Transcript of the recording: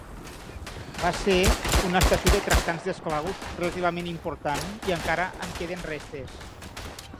Va ser una estació de tractants d'esclaus relativament important i encara en queden restes.